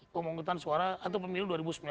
pemungutan suara atau pemilu dua ribu sembilan belas